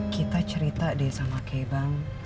kita cerita deh sama key bang